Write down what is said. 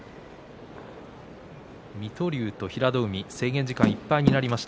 水戸龍と平戸海制限時間いっぱいになりました。